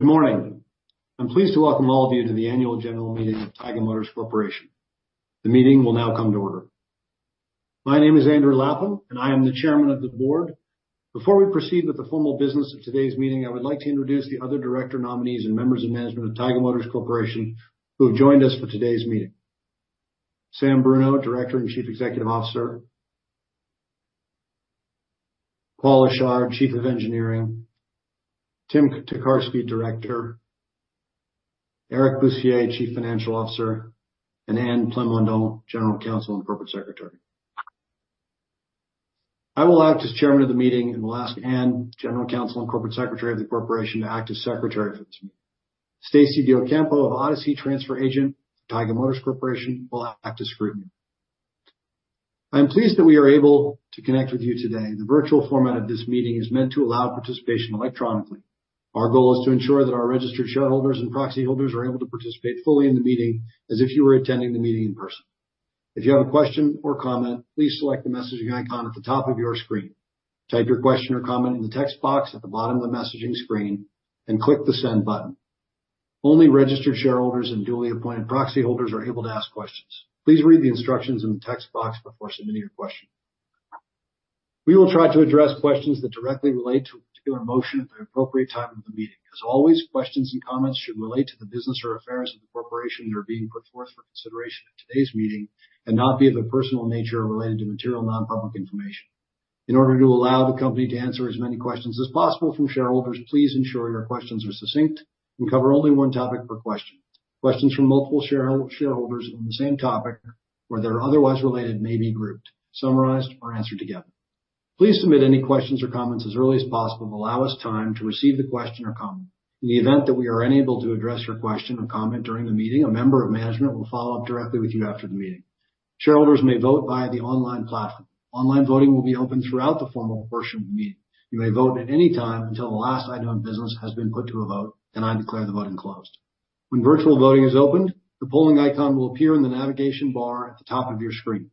Good morning. I'm pleased to welcome all of you to the annual general meeting of Taiga Motors Corporation. The meeting will now come to order. My name is Andrew Lapham, and I am the Chairman of the Board. Before we proceed with the formal business of today's meeting, I would like to introduce the other director nominees and members of management of Taiga Motors Corporation who have joined us for today's meeting. Sam Bruneau, Director and Chief Executive Officer, Paul Achard, Chief of Engineering, Tim Tokarsky, Director, Eric Bussières, Chief Financial Officer, and Anne Plamondon, General Counsel and Corporate Secretary. I will act as chairman of the meeting and will ask Anne, General Counsel and Corporate Secretary of the corporation, to act as secretary for this meeting. Stacey Diocampo of Odyssey Trust Company, Taiga Motors Corporation, will act as scrutineer. I'm pleased that we are able to connect with you today. The virtual format of this meeting is meant to allow participation electronically. Our goal is to ensure that our registered shareholders and proxy holders are able to participate fully in the meeting as if you were attending the meeting in person. If you have a question or comment, please select the messaging icon at the top of your screen. Type your question or comment in the text box at the bottom of the messaging screen and click the send button. Only registered shareholders and duly appointed proxy holders are able to ask questions. Please read the instructions in the text box before submitting your question. We will try to address questions that directly relate to a particular motion at the appropriate time of the meeting. As always, questions and comments should relate to the business or affairs of the corporation that are being put forth for consideration at today's meeting, and not be of a personal nature or related to material non-public information. In order to allow the company to answer as many questions as possible from shareholders, please ensure your questions are succinct and cover only one topic per question. Questions from multiple shareholders on the same topic where they are otherwise related may be grouped, summarized, or answered together. Please submit any questions or comments as early as possible to allow us time to receive the question or comment. In the event that we are unable to address your question or comment during the meeting, a member of management will follow up directly with you after the meeting. Shareholders may vote via the online platform. Online voting will be open throughout the formal portion of the meeting. You may vote at any time until the last item of business has been put to a vote and I declare the voting closed. When virtual voting is opened, the polling icon will appear in the navigation bar at the top of your screen.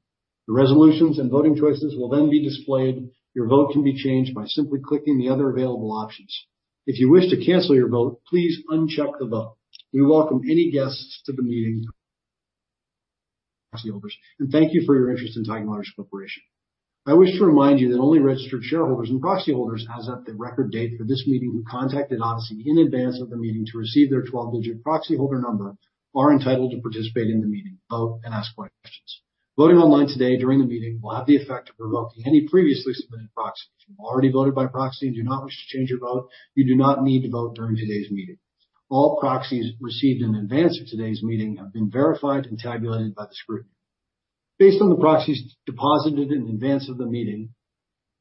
The resolutions and voting choices will then be displayed. Your vote can be changed by simply clicking the other available options. If you wish to cancel your vote, please uncheck the vote. We welcome any guests to the meeting, proxy holders, and thank you for your interest in Taiga Motors Corporation. I wish to remind you that only registered shareholders and proxy holders as at the record date for this meeting who contacted Odyssey in advance of the meeting to receive their twelve-digit proxy holder number are entitled to participate in the meeting, vote, and ask questions. Voting online today during the meeting will have the effect of revoking any previously submitted proxy. If you've already voted by proxy and do not wish to change your vote, you do not need to vote during today's meeting. All proxies received in advance of today's meeting have been verified and tabulated by the scrutineer. Based on the proxies deposited in advance of the meeting,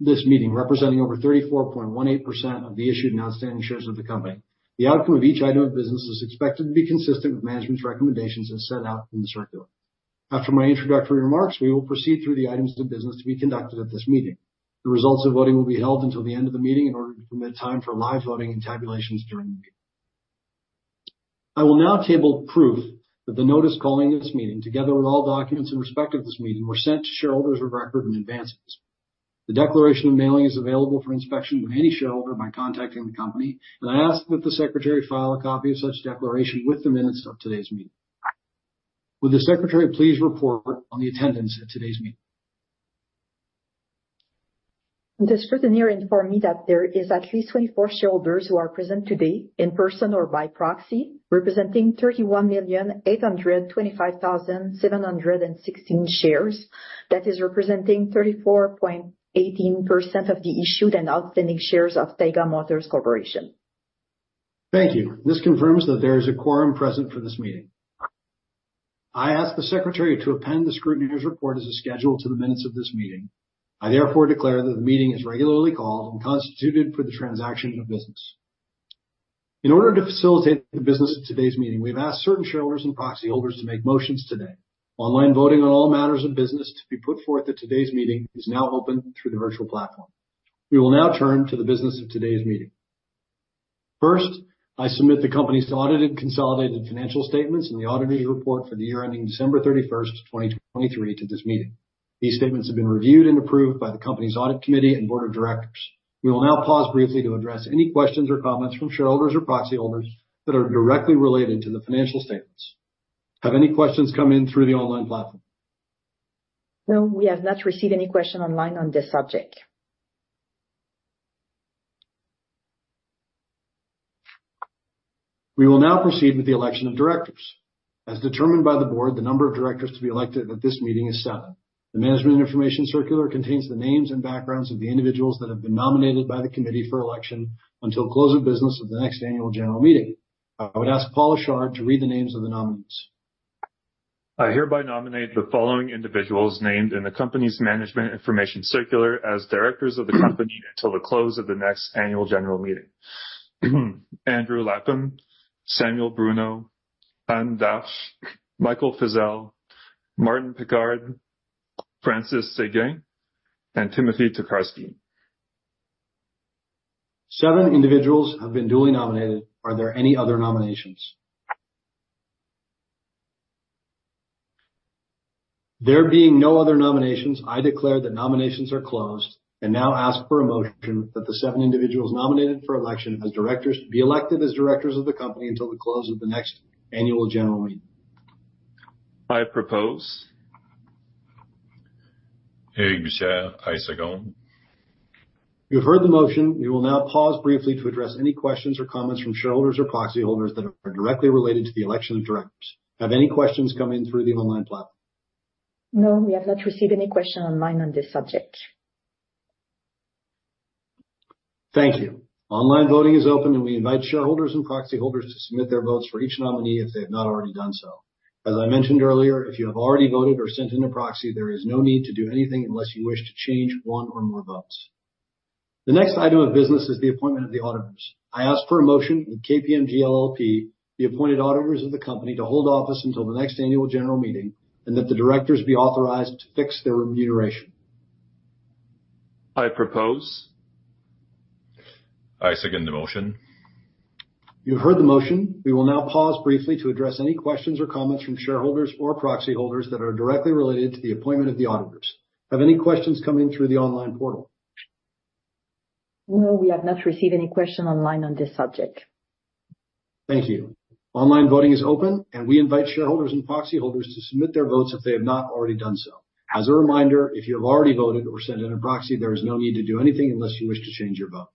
this meeting representing over 34.18% of the issued and outstanding shares of the company, the outcome of each item of business is expected to be consistent with management's recommendations as set out in the circular. After my introductory remarks, we will proceed through the items of business to be conducted at this meeting. The results of voting will be held until the end of the meeting in order to permit time for live voting and tabulations during the meeting. I will now table proof that the notice calling this meeting, together with all documents in respect of this meeting, were sent to shareholders of record in advance of this meeting. The declaration of mailing is available for inspection by any shareholder by contacting the company, and I ask that the secretary file a copy of such declaration with the minutes of today's meeting. Will the secretary please report on the attendance at today's meeting? The scrutineer informed me that there is at least 24 shareholders who are present today in person or by proxy, representing 31,825,716 shares. That is representing 34.18% of the issued and outstanding shares of Taiga Motors Corporation. Thank you. This confirms that there is a quorum present for this meeting. I ask the secretary to append the scrutineer's report as a schedule to the minutes of this meeting. I therefore declare that the meeting is regularly called and constituted for the transaction of business. In order to facilitate the business of today's meeting, we've asked certain shareholders and proxy holders to make motions today. Online voting on all matters of business to be put forth at today's meeting is now open through the virtual platform. We will now turn to the business of today's meeting. First, I submit the company's audited consolidated financial statements and the auditor's report for the year ending December 31, 2023 to this meeting. These statements have been reviewed and approved by the company's audit committee and board of directors. We will now pause briefly to address any questions or comments from shareholders or proxy holders that are directly related to the financial statements. Have any questions come in through the online platform? No, we have not received any question online on this subject. We will now proceed with the election of directors. As determined by the board, the number of directors to be elected at this meeting is seven. The management information circular contains the names and backgrounds of the individuals that have been nominated by the committee for election until close of business of the next annual general meeting. I would ask Paul Achard to read the names of the nominees. I hereby nominate the following individuals named in the company's management information circular as directors of the company until the close of the next annual general meeting. Andrew Lapham, Samuel Bruneau, Anne Darche, Michael Fizzell, Martin Picard, Francis Séguin, and Timothy Tokarsky. Seven individuals have been duly nominated. Are there any other nominations? There being no other nominations, I declare that nominations are closed and now ask for a motion that the seven individuals nominated for election as directors be elected as directors of the company until the close of the next annual general meeting. I propose. I second. You have heard the motion. We will now pause briefly to address any questions or comments from shareholders or proxy holders that are directly related to the election of directors. Have any questions come in through the online platform? No, we have not received any question online on this subject. Thank you. Online voting is open, and we invite shareholders and proxy holders to submit their votes for each nominee if they have not already done so. As I mentioned earlier, if you have already voted or sent in a proxy, there is no need to do anything unless you wish to change one or more votes. The next item of business is the appointment of the auditors. I ask for a motion that KPMG LLP, the appointed auditors of the company, to hold office until the next annual general meeting, and that the directors be authorized to fix their remuneration. I propose. I second the motion. You have heard the motion. We will now pause briefly to address any questions or comments from shareholders or proxy holders that are directly related to the appointment of the auditors. Have any questions come in through the online portal? No, we have not received any question online on this subject. Thank you. Online voting is open, and we invite shareholders and proxy holders to submit their votes if they have not already done so. As a reminder, if you have already voted or sent in a proxy, there is no need to do anything unless you wish to change your vote.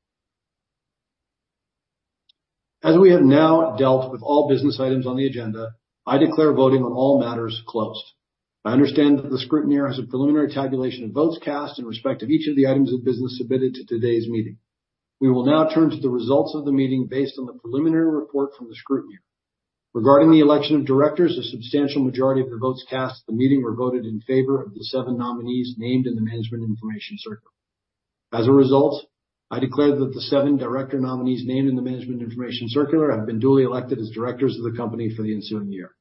As we have now dealt with all business items on the agenda, I declare voting on all matters closed. I understand that the scrutineer has a preliminary tabulation of votes cast in respect of each of the items of business submitted to today's meeting. We will now turn to the results of the meeting based on the preliminary report from the scrutineer. Regarding the election of directors, a substantial majority of the votes cast at the meeting were voted in favor of the seven nominees named in the management information circular. As a result, I declare that the seven director nominees named in the management information circular have been duly elected as directors of the company for the ensuing year.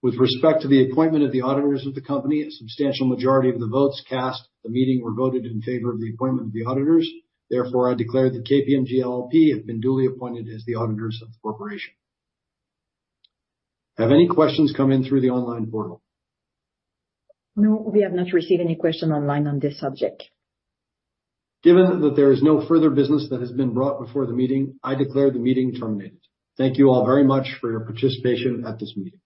With respect to the appointment of the auditors of the company, a substantial majority of the votes cast at the meeting were voted in favor of the appointment of the auditors. Therefore, I declare that KPMG LLP have been duly appointed as the auditors of the corporation. Have any questions come in through the online portal? No, we have not received any question online on this subject. Given that there is no further business that has been brought before the meeting, I declare the meeting terminated. Thank you all very much for your participation at this meeting.